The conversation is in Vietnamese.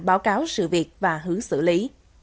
báo cáo sự việc và hướng xử lý